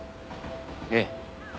ええ。